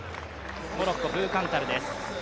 モロッコ、ブーカンタルです。